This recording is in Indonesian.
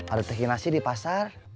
ada teh kinasi di pasar